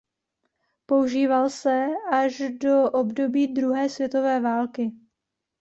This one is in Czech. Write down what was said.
Používal se až do období druhé světové války.